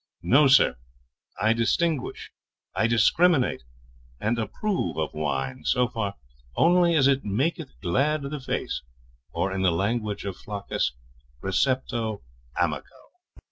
No, sir, I distinguish, I discriminate, and approve of wine so far only as it maketh glad the face, or, in the language of Flaccus, recepto amico.'